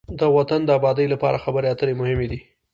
د وطن د آباد لپاره خبرې اترې مهمې دي.